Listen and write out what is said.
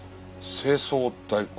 清掃代行？